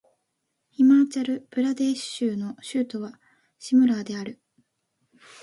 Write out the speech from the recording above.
ヒマーチャル・プラデーシュ州の州都はシムラーである